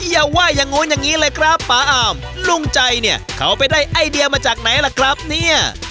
อย่าว่าอย่างนู้นอย่างนี้เลยครับป๊าอามลุงใจเนี่ยเขาไปได้ไอเดียมาจากไหนล่ะครับเนี่ย